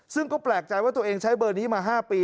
ซึ่งก็แปลกใจว่าตัวเองใช้เบอร์นี้มา๕ปี